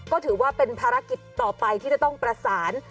ก็ถือว่าเป็นภารกิจต่อไปที่จะต้องประสาน